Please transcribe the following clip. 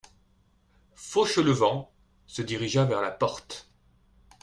Fauchelevent se dirigea vers la porte.